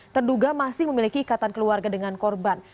terduga masih memiliki ikatan keluarga dengan korban